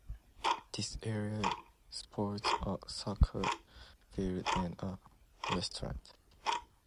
This area sports a soccer field and a restaurant.